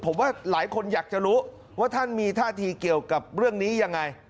ผมว่าหลายคนอยากจะรู้ว่าท่านมีท่าทีเกี่ยวกับเรื่องนี้ยังไง